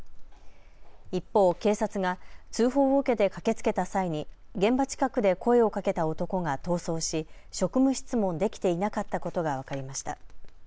一方、警察が通報を受けて駆けつけた際に現場近くで声をかけた男が逃走し職務質問できていなかったことが分かりました。